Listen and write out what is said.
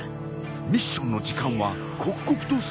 ミッションの時間は刻々と過ぎていく。